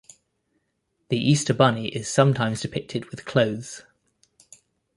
The Easter Bunny is sometimes depicted with clothes.